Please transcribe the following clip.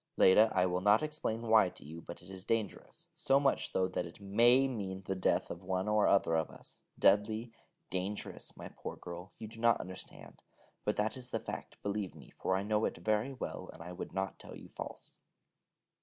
Leda, I will not explain why to you, but it is dangerous, so much so that it may mean the death of one or other of us: deadly, deadly dangerous, my poor girl. You do not understand, but that is the fact, believe me, for I know it very well, and I would not tell you false.